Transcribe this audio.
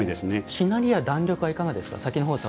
しなりや弾力はいかがですか。